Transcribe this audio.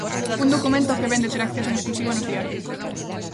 Un documento ao que vén de ter acceso en exclusiva Nós Diario.